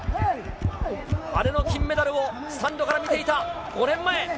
姉の金メダルをスタンドから見ていた５年前。